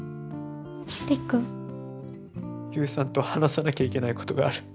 悠さんと話さなきゃいけないことがある。